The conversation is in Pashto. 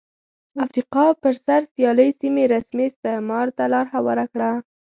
افریقا پر سر سیالۍ سیمې رسمي استعمار ته لار هواره کړه.